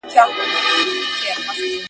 د خوب وخت ثابت وساتئ.